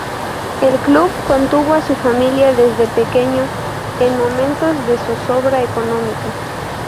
El club contuvo a su familia desde pequeño, en momentos de zozobra económica.